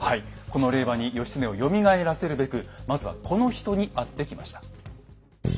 この令和に義経をよみがえらせるべくまずはこの人に会ってきました。